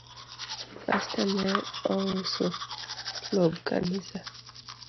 Pastor ne ouso lob kanisa